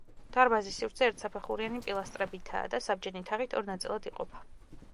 დარბაზის სივრცე ერთსაფეხურიანი პილასტრებითაა და საბჯენი თაღით ორ ნაწილად იყოფა.